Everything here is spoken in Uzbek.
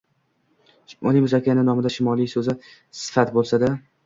Shimoliy Muz okeani nomida shimoliy soʻzi sifat boʻlsa-da